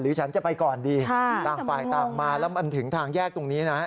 ฉันจะไปก่อนดีต่างฝ่ายต่างมาแล้วมันถึงทางแยกตรงนี้นะ